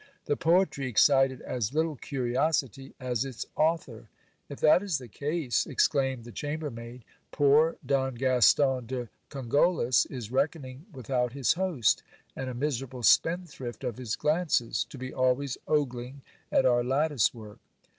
The poetry excited as little curiosity as its author. If that is the case, exclaimed the chambermaid, poor Don Gaston de Cogollos is reckoning without his host ; and a miserable spendthrift of his glances, to be always ogling at our lattice work.